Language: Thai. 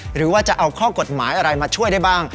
หรือว่าจะเอาข้อกฎหมายอะไรมาช่วยได้บ้าง